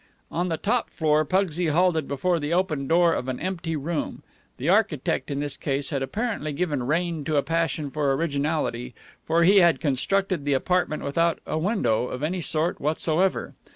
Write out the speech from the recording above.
On the top floor Pugsy halted before the open door of an empty room. The architect in this case had apparently given rein to a passion for originality, for he had constructed the apartment without a window of any sort whatsoever.